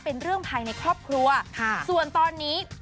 เป็นเรื่องภายในครอบครัวส่วนตอนนี้